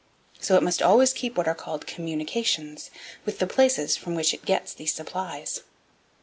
So it must always keep what are called 'communications' with the places from which it gets these supplies.